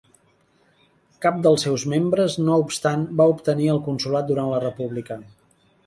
Cap dels seus membres no obstant va obtenir el consolat durant la república.